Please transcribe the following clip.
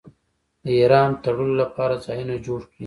د احرام تړلو لپاره ځایونه جوړ کړي.